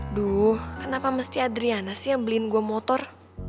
duh kenapa mesti adriana sih yang beliin gue motor